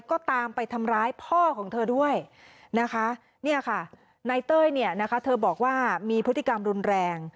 ก็ตามไปทำร้ายพ่อของเธอด้วยนายเต้ยเธอบอกว่ามีพฤติกรรมรุนแรง